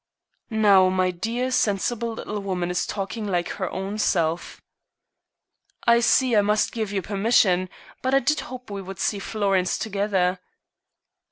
"Now my dear, sensible little woman is talking like her own self." "I see I must give you permission. But I did hope we would see Florence together."